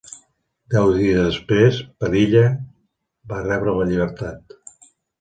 Deu dies després, Padilla va rebre la llibertat.